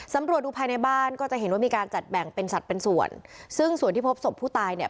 ตำรวจดูภายในบ้านก็จะเห็นว่ามีการจัดแบ่งเป็นสัตว์เป็นส่วนซึ่งส่วนที่พบศพผู้ตายเนี่ย